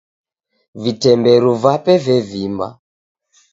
Vitemberu vape vevimba.